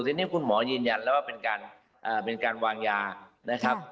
ทีนี้คุณหมอยืนยันแล้วว่าเป็นการเป็นการวางยานะครับ